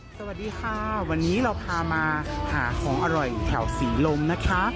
สวัสดีค่ะวันนี้เราพามาหาของอร่อยแถวศรีลมนะคะ